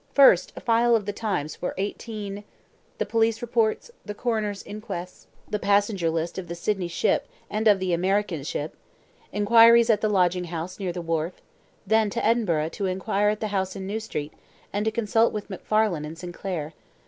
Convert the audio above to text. First a file of the TIMES for 18 ; the police reports, the coroner's inquests, the passenger list of the Sydney ship and of the American ship, inquiries at the lodging house near the wharf then to Edinburgh to inquire at the house in New Street, and consult with MacFarlane and Sinclair.